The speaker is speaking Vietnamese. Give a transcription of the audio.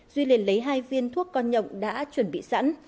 duy liền lấy hai viên thuốc con nhộng đã chuẩn bị sẵn